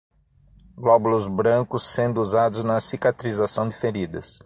Glóbulos brancos sendo usados na cicatrização de feridas